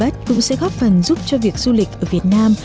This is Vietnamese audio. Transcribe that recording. tô sẽ góp phần giúp cho việc du lịch ở việt nam